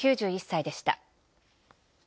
９１歳でした。